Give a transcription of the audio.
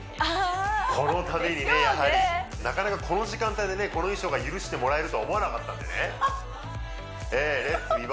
このためにねやはりなかなかこの時間帯でねこの衣装が許してもらえるとは思わなかったんでね「レッツ！